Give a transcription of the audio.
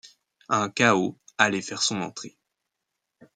Un chaos allait faire son entrée.